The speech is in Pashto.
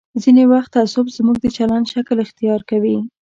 ځینې وخت تعصب زموږ د چلند شکل اختیار کوي.